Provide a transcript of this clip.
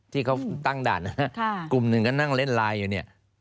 ที่เขาตั้งด่านนะฮะกลุ่มหนึ่งก็นั่งเล่นไลน์อยู่เนี่ย